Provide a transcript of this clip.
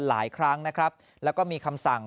หลายครั้งนะครับแล้วก็มีคำสั่ง